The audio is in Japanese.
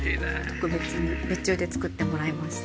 特別に別注で作ってもらいました。